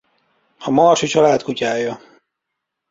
A Marsi család kutyája